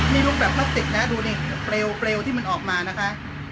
นี่รุกแบบพลาสติกนะฮะดูนี่เปรียวเปรียวที่มันออกมานะคะ